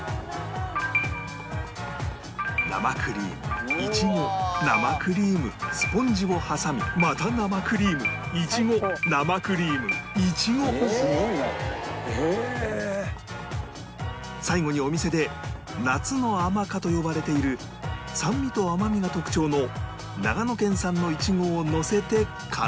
生クリームイチゴ生クリームスポンジを挟みまた生クリームイチゴ生クリームイチゴ最後にお店で「夏の甘果」と呼ばれている酸味と甘みが特徴の長野県産のイチゴをのせて完成